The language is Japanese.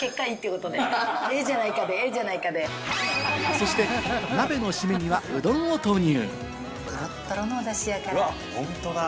そして鍋の締めにはうどんを投入。